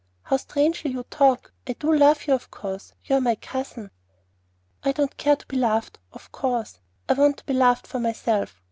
"How strangely you talk! I do love you, of course. You're my cousin." "I don't care to be loved 'of course.' I want to be loved for myself.